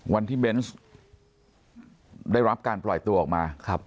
วันที่เบนส์ได้รับการปล่อยตัวออกมา